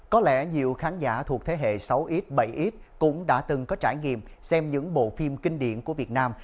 có lẽ nhiều khán giả thuộc thế hệ sáu x bảy x cũng đã từng có trải nghiệm xem những bộ phim kinh điển của việt nam